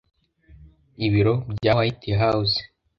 Ibiro bya White House,